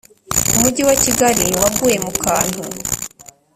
umugi wa kigali waguye mu kantu